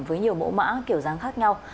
với nhiều mẫu mã kiểu dáng khác nhau